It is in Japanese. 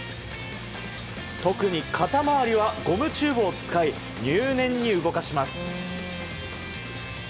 特に肩回りはゴムチューブを使い入念に動かします。